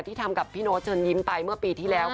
ทำกับพี่โน๊ตเชิญยิ้มไปเมื่อปีที่แล้ว